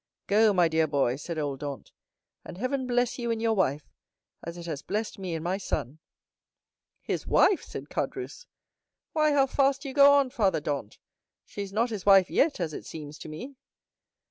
"Go, my dear boy," said old Dantès; "and Heaven bless you in your wife, as it has blessed me in my son!" "His wife!" said Caderousse; "why, how fast you go on, father Dantès; she is not his wife yet, as it seems to me."